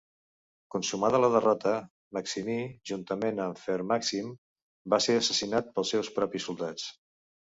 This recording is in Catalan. Consumada la derrota, Maximí, juntament amb Ver Màxim, va ser assassinat pels seus propis soldats.